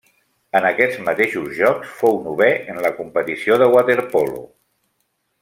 En aquests mateixos Jocs fou novè en la competició de waterpolo.